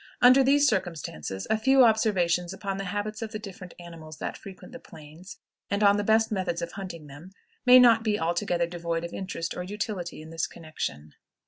Under these circumstances, a few observations upon the habits of the different animals that frequent the Plains and on the best methods of hunting them may not be altogether devoid of interest or utility in this connection.